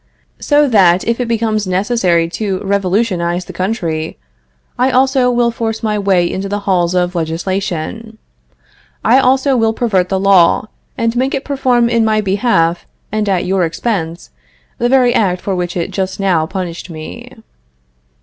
So that if it becomes necessary to revolutionize the country, I also will force my way into the halls of legislation. I also will pervert the law, and make it perform in my behalf and at your expense the very act for which it just now punished me.